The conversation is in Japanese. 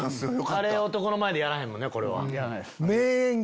男の前でやらへんもんねこれは。